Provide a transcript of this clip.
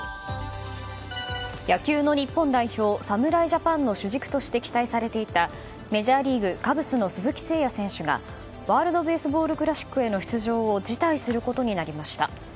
野球の日本代表侍ジャパンの主軸として期待されていたメジャーリーグ、カブスの鈴木誠也選手がワールド・ベースボール・クラシックへの出場を辞退することになりました。